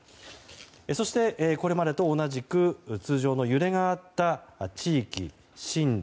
そしてこれまでと同じく通常の揺れがあった地域、震度